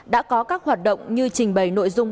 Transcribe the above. đã có các hoạt động như trình bày nội dung